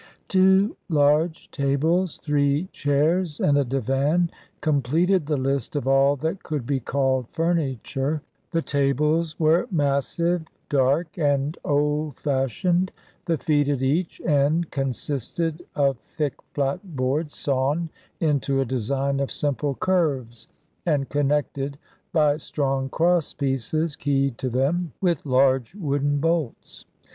Two large tables, three chairs and a divan completed the list of all that could be called furniture. The tables were massive, dark, and old fashioned; the feet at each end consisted of thick flat boards sawn into a design of simple curves, and connected by strong crosspieces keyed to them with large wooden bolts.